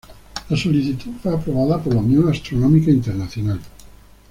La solicitud fue aprobada por la Unión Astronómica Internacional.